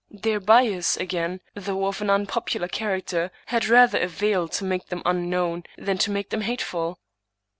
Their bias, again, though of an unpopu lar character, had rather availed to make them unknown than to make them hateful.